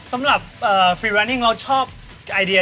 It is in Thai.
สำหรับฟรีแวนิ่งเราชอบไอเดีย